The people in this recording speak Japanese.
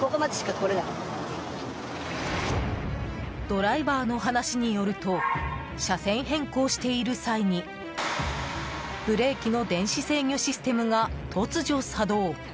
ドライバーの話によると車線変更している際にブレーキの電子制御システムが突如作動。